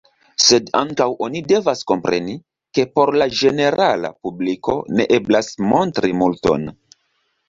Sed ankaŭ oni devas kompreni, ke por la ĝenerala publiko ne eblas montri multon.